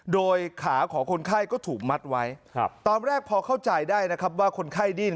โดยขาของคนไข้ก็ถูกมัดไว้ครับตอนแรกพอเข้าใจได้นะครับว่าคนไข้ดิ้น